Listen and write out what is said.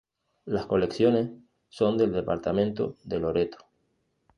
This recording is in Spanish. Las colecciones son del departamento de Loreto.